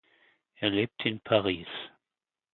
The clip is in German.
Er lebt in Paris.